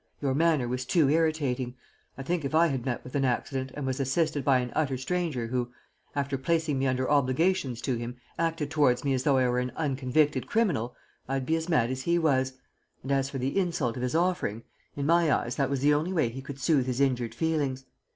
Your manner was too irritating. I think if I had met with an accident and was assisted by an utter stranger who, after placing me under obligations to him, acted towards me as though I were an unconvicted criminal, I'd be as mad as he was; and as for the insult of his offering, in my eyes that was the only way he could soothe his injured feelings.